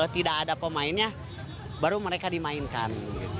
tidak ada pemainnya baru mereka dimainkan